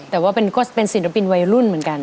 แต่ว่าเป็นศิลปินวัยรุ่นเหมือนกัน